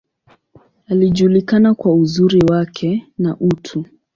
Alijulikana kwa uzuri wake, na utu.